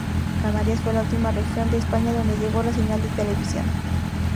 Canarias fue la última región de España donde llegó la señal de televisión.